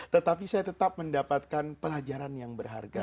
tetapi saya tetap mendapatkan pelajaran yang berharga